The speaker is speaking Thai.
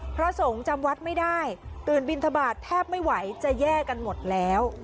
พระสงฆ์จำวัดไม่ได้ตื่นบินทบาทแทบไม่ไหวจะแย่กันหมดแล้ว